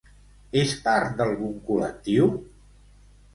És part d'algun col·lectiu?